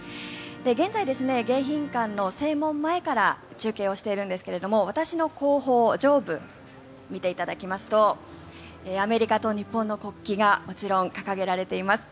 現在、迎賓館の正門前から中継をしているんですが私の後方上部見ていただきますとアメリカと日本の国旗がもちろん掲げられています。